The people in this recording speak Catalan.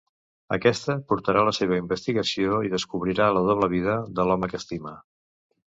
Aquesta portarà la seva investigació i descobrirà la doble vida de l'home que estima.